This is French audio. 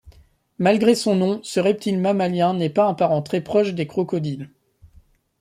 Malgré son nom, ce reptile mammalien n'est pas un parent très proche des crocodiles.